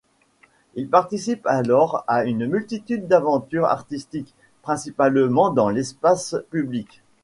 Il participe alors à une multitude d’aventures artistiques, principalement dans l’espace public.